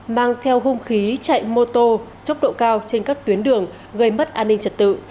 mang theo hung khí chạy mô tô tốc độ cao trên các tuyến đường gây mất an ninh trật tự